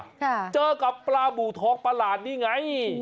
ค่ะเจอกับปลาบูทองประหลาดนี่ไง